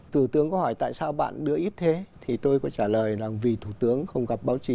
thủ tướng có hỏi tại sao bạn đưa ít thế thì tôi có trả lời là vì thủ tướng không gặp báo chí